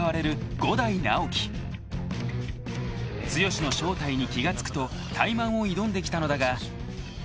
［剛の正体に気が付くとタイマンを挑んできたのだが］